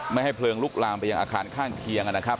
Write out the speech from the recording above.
ไม่ให้เพลิงลุกลามไปยังอาคารข้างเคียงนะครับ